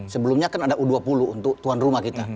sebelumnya kan ada u dua puluh untuk tuan rumah kita